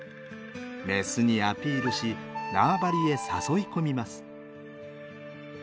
メスにアピールし縄張りへ誘い込みます。